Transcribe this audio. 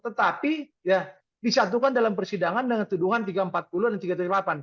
tetapi ya disatukan dalam persidangan dengan tuduhan tiga ratus empat puluh dan tiga ratus tiga puluh delapan